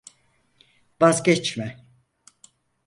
Vazgeçme…